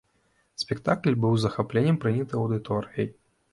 Спектакль быў з захапленнем прыняты аўдыторыяй.